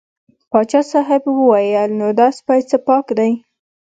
پاچا صاحب وویل نو دا سپی څه پاک دی.